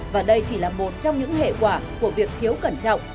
và đây chỉ là một trong những hệ quả của việc thiếu cẩn trọng